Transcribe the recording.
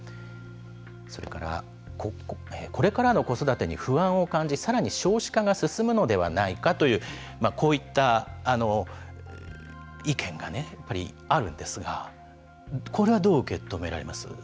それから、これからの子育てに不安を感じさらに少子化が進むのではないかというこういった意見がやっぱりあるんですがこれはどう受け止められます？